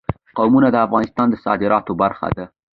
قومونه د افغانستان د صادراتو برخه ده.